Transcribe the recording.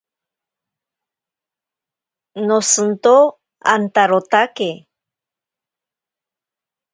Noshinto antarotake.